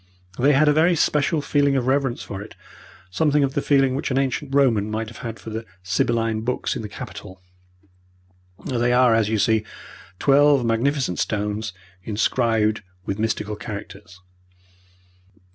They had a very special feeling of reverence for it something of the feeling which an ancient Roman might have for the Sibylline books in the Capitol. There are, as you see, twelve magnificent stones, inscribed with mystical characters.